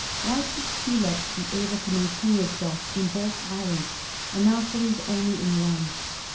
Why should culex be able to maintain itself in both islands; anopheles only in one?